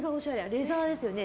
レザーですよね。